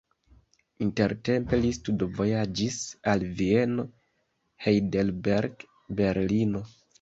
Intertempe li studvojaĝis al Vieno, Heidelberg, Berlino.